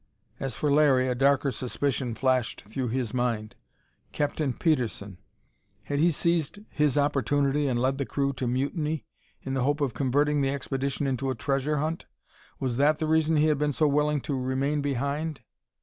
As for Larry, a darker suspicion flashed through his mind. Captain Petersen! Had he seized his opportunity and led the crew to mutiny, in the hope of converting the expedition into a treasure hunt? Was that the reason he had been so willing to remain behind?